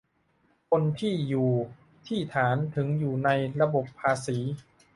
คนที่อยู่ที่ฐาน ถึงอยู่ในระบบภาษี